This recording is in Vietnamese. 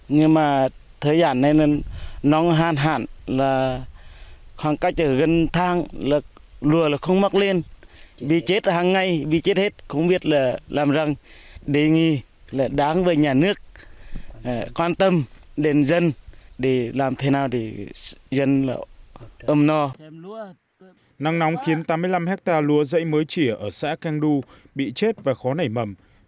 nắng nóng khiến tám mươi năm hectare lúa rẫy mới trỉa ở xã keng du bị chết và khó nảy mầm